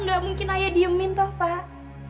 gak mungkin ayah diemin pak